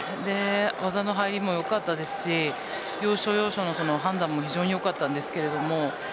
技の入りもよかったですし要所要所の判断も非常によかったです。